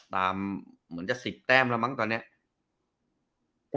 ตามเหมือนจะ๑๐แต้มแล้วตอนนี้